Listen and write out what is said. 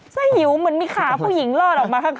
หิวเหมือนมีขาผู้หญิงลอดออกมาข้าง